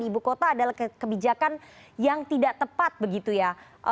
ibu kota adalah kebijakan yang tidak tepat begitu ya